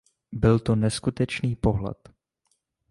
Byl to neskutečný pohled.